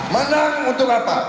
menang untuk apa